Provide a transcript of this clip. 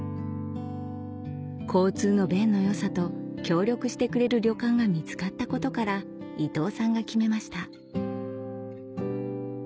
交通の便の良さと協力してくれる旅館が見つかったことから伊藤さんが決めました